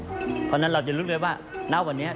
เพราะฉะนั้นเราจะรู้เลยว่าณวันนี้